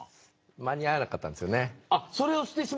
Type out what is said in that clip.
間に合わなかったんです。